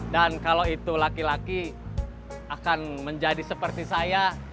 dan kalau itu laki laki akan menjadi seperti saya